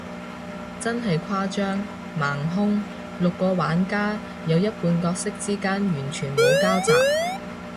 真係誇張，盲兇，六個玩家，有一半角色之間完全冇交集，